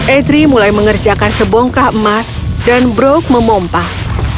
edri mulai mengerjakan sebongkah emas dan brok memompah